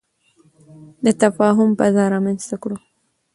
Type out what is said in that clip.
د تفاهم فضا رامنځته کړو.